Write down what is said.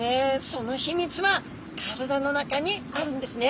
その秘密は体の中にあるんですね。